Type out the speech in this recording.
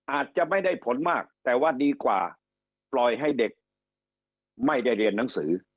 อาจจะไม่ได้ผลมากแต่ว่าดีกว่าปล่อยให้เด็กไม่ได้เรียนหนังสือ